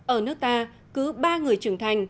ở nước ta cứ ba người trưởng thành